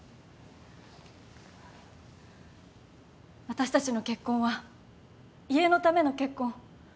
私たちの結婚は家のための結婚。